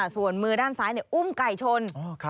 ส่วนมือด้านซ้ายอุ้มไก่ชน